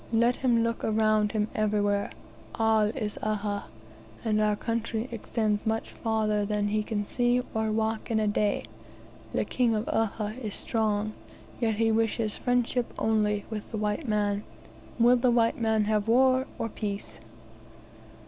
Let him look about him everywhere all is Uhha, and our country extends much further than he can see or walk in a day. The King of Uhha is strong; yet he wishes friendship only with the white man. Will the white man have war or peace?"